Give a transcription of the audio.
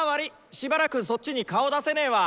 しばらくそっちに顔出せねわ。